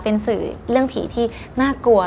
เป็นสื่อเรื่องผีที่น่ากลัว